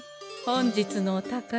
本日のお宝